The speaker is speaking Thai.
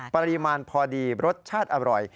ปริมาณพอดีรสชาติอร่อย